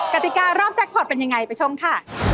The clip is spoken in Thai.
กติการรอบแจ็คพอร์ตเป็นยังไงไปชมค่ะ